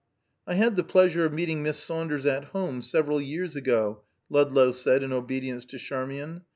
"I had the pleasure of meeting Miss Saunders at home, several years ago," Ludlow said in obedience to Charmian.